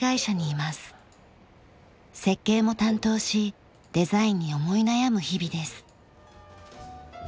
設計も担当しデザインに思い悩む日々です。